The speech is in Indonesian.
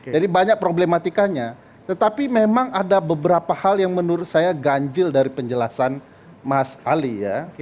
jadi banyak problematikanya tetapi memang ada beberapa hal yang menurut saya ganjil dari penjelasan mas ali ya